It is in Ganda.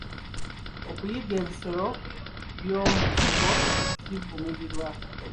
Okuyigga ebisolo by'omu nsiko kivumirirwa.